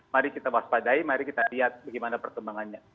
mari kita waspadai mari kita lihat bagaimana perkembangannya